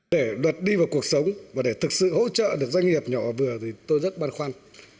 để luật đi vào cuộc sống và để thực sự hỗ trợ được doanh nghiệp nhỏ và vừa thì tôi rất băn khoăn